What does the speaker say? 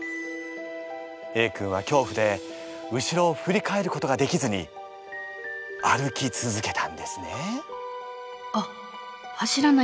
Ａ君はきょうふで後ろをふり返ることができずに歩き続けたんですね。